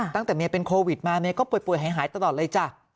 ตั้งแต่เมียเป็นโควิดมาเมียก็ป่วยหายตลอดเลยจ้ะ